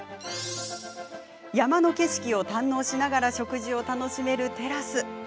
山の景色を堪能しながら食事を楽しめるテラス。